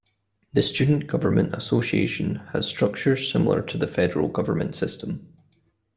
The Student Government Association has structures similar to the federal government system.